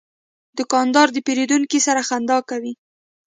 دوکاندار د پیرودونکو سره خندا کوي.